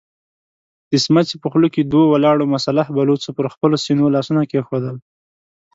د سمڅې په خوله کې دوو ولاړو مسلح بلوڅو پر خپلو سينو لاسونه کېښودل.